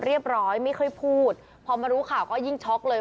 เรียบร้อยไม่เคยพูดพอมารู้ข่าวก็ยิ่งช็อกเลย